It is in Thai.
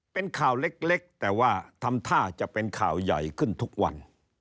เป็นข่าวเล็กแต่ว่าทำท่าจะเป็นข่าวใหญ่ขึ้นทุกวัน